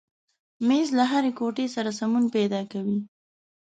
مېز له هرې کوټې سره سمون پیدا کوي.